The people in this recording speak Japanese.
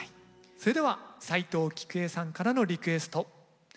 それでは斉藤菊江さんからのリクエスト